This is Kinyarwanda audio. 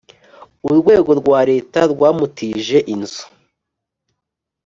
Urwego rwa Leta rwamutije inzu